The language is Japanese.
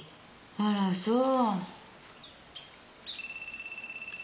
あらそう。